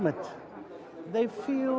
mereka merasa terkenal